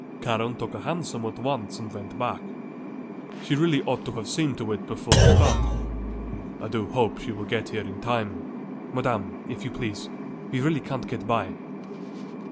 Karen took a hansom at once and went back. She really ought to have seen to it before starting. I do hope she will get him here in time. Madam, if you please; we really can't get by."